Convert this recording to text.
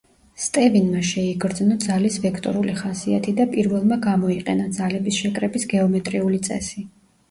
სტევინმა შეიგრძნო ძალის ვექტორული ხასიათი და პირველმა გამოიყენა ძალების შეკრების გეომეტრიული წესი.